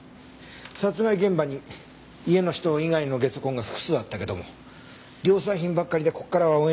殺害現場に家の人以外のゲソ痕が複数あったけども量産品ばっかりでここからは追えない。